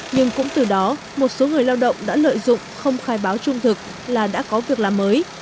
nhưng cũng từ đó một số người lao động đã lợi dụng không khai báo trung thực là đã có việc làm mới